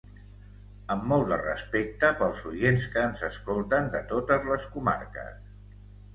Amb molt de respecte pels oients que ens escolten de totes les comarques.